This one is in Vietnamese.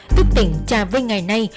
tức tỉnh trà vinh ngày nay